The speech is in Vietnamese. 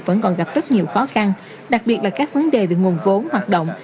vẫn còn gặp rất nhiều khó khăn đặc biệt là các vấn đề về nguồn vốn hoạt động